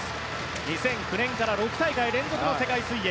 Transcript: ２００９年から６大会連続の世界水泳。